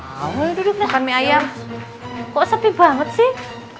awalnya duduk kami ayam kok sepi banget sih